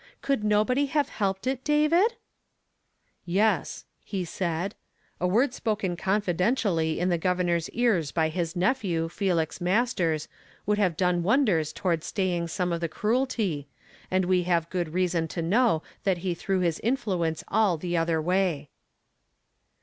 Could nobody have helped h David ?" i' • "Yes," he said; "a word spoken confidential l,v m the Governor's ears by his nephew, Felix :\Iiis ters, would have done wondei s towards stayin some of the cruelty, and we have good reason to know that he threw his influence all the other way."